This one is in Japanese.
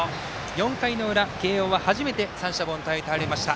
４回の裏慶応は初めて三者凡退に倒れました。